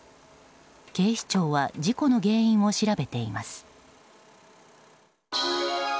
警視庁は事故の原因を調べています。